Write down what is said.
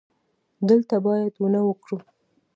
دلته باید ونه وکرو